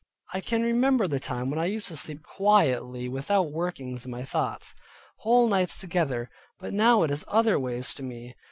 I can remember the time when I used to sleep quietly without workings in my thoughts, whole nights together, but now it is other ways with me.